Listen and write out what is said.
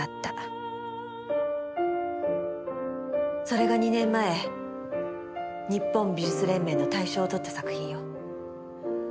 それが２年前日本美術連盟の大賞を取った作品よ。